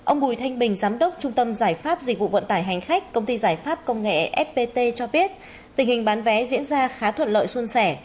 ông bùi thanh bình giám đốc trung tâm giải pháp dịch vụ vận tải hành khách công ty giải pháp công nghệ fpt cho biết tình hình bán vé diễn ra khá thuận lợi xuân sẻ